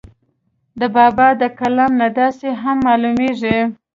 د بابا دَکلام نه داسې هم معلوميږي